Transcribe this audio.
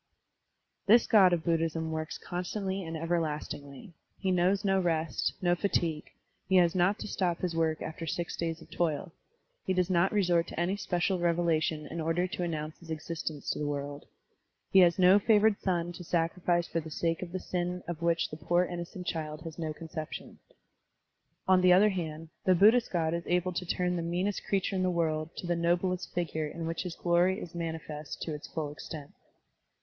This God of Buddhism works constantly and everlastingly; he knows no rest, no fatigue, he has not to stop his work after six days of toil; he does not resort to any special revelation in order to annotmce his existence to the world; he has no favored son to sacrifice for the sake of the sin of which the poor innocent child has no conception. On the other hand, the Buddhist God is able to ttim the meanest creature in the world to the noblest figure in which his glory is manifest to its full extent.